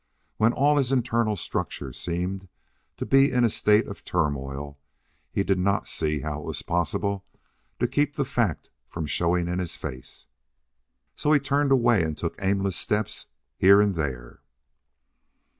When all his internal structure seemed to be in a state of turmoil he did not see how it was possible to keep the fact from showing in his face. So he turned away and took aimless steps here and there.